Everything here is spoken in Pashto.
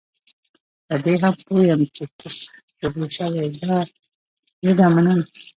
په دې هم پوه یم چې ته سخت ژوبل شوی یې، زه دا منم.